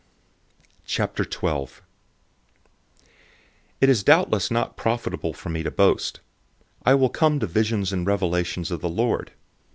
012:001 It is doubtless not profitable for me to boast. For I will come to visions and revelations of the Lord.